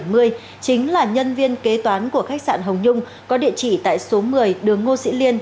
cơ quan công an xác định là nhân viên kế toán của khách sạn hồng nhung có địa chỉ tại số một mươi đường ngô sĩ liên